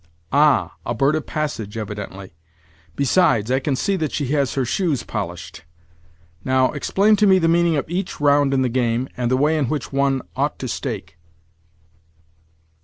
"Ah! A bird of passage, evidently. Besides, I can see that she has her shoes polished. Now, explain to me the meaning of each round in the game, and the way in which one ought to stake."